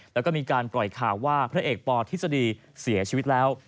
แล้วก็มีการปล่อยข่าวว่าพระเอกปธิษฎีเสียชีวิตแล้ว